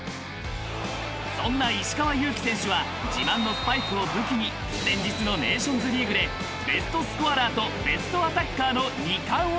［そんな石川祐希選手は自慢のスパイクを武器に先日のネーションズリーグでベストスコアラーとベストアタッカーの２冠を達成］